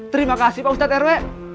terima kasih pak ustadz rw